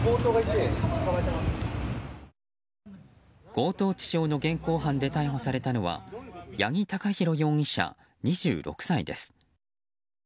強盗致傷の現行犯で逮捕されたのは八木貴寛容疑者、２６歳です。